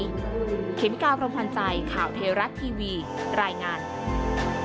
เพื่อให้มั่นใจว่าการออกรางวัลสลากกินแมวรัฐบาลทุกมวลเป็นไปอย่างปรงใส